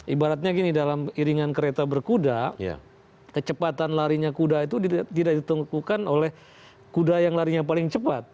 ibaratnya gini dalam iringan kereta berkuda kecepatan larinya kuda itu tidak ditentukan oleh kuda yang larinya paling cepat